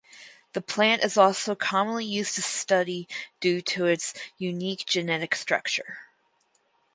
The plant is also commonly used to study due to its unique genetic structure.